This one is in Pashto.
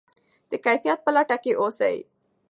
د کیفیت په لټه کې اوسئ.